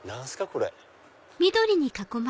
これ。